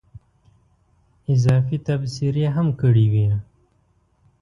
اضافي تبصرې هم کړې وې.